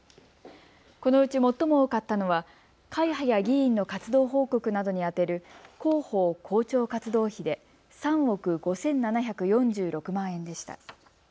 このうち最も多かったのは会派や議員の活動報告などに充てる広報・広聴活動費で３億５７４６万円でした。